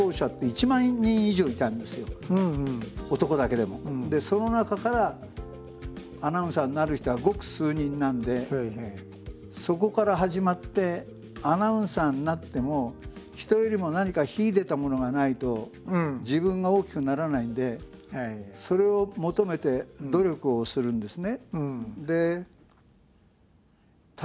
でその中からアナウンサーになる人はごく数人なんでそこから始まってアナウンサーになっても人よりも何か秀でたものがないと自分が大きくならないんでそれを求めて努力をするんですね。